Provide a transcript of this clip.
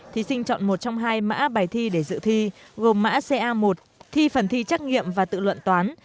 thí sinh chọn một trong hai mã bài thi để dự thi gồm mã ca một thi phần thi trắc nghiệm và tự luận toán